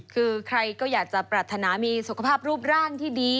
คือใครก็อยากจะปรารถนามีสุขภาพรูปร่างที่ดี